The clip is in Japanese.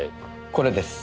これです。